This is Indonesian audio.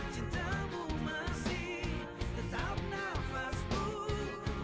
cintamu masih tetap nafasmu